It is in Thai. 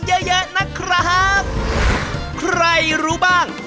เดี๋ยว